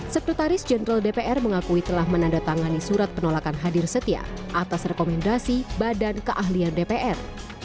sekretaris jenderal dpr mengakui telah menandatangani surat penolakan hadir setia atas rekomendasi badan keahlian dpr